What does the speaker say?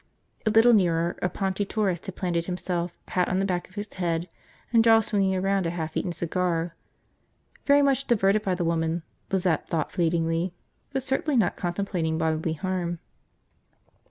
A little nearer, a paunchy tourist had planted himself, hat on the back of his head and jaw swinging around a half eaten cigar. Very much diverted by the woman, Lizette thought fleetingly, but certainly not contemplating bodily harm.